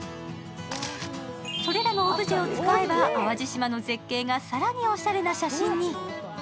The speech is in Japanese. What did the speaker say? それらのオブジェを使えば、淡路島の絶景が更におしゃれな写真に。